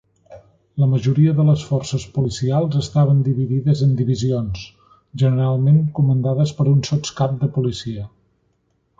La majoria de les forces policials estaven dividides en divisions, generalment comandades per un sotscap de policia.